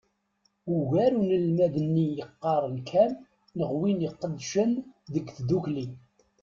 Ugar n unelmad-nni yeqqaren kan neɣ win iqeddcen deg tddukli.